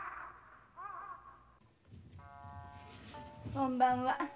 こんばんは。